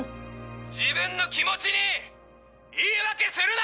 自分の気持ちに言い訳するな！